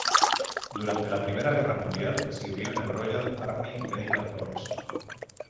Durante la Primera Guerra Mundial, sirvió en el Royal Army Medical Corps.